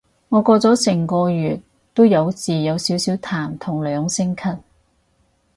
我過咗成個月都有時有少少痰同兩聲咳